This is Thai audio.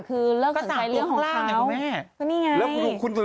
คือเลิกสนใจเรื่องของเขา